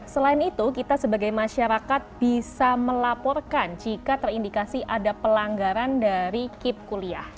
selain itu kita sebagai masyarakat bisa melaporkan jika terindikasi ada pelanggaran dari kip kuliah